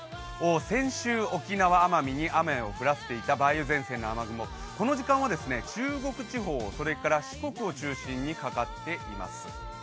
先週、沖縄・奄美に雨を降らせていた梅雨前線の雨雲、この時間は中国地方、それから四国を中心にかかっています。